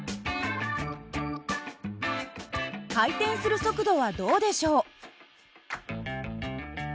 回転する速度はどうでしょう？